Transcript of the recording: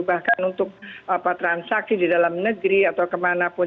bahkan untuk transaksi di dalam negeri atau kemanapun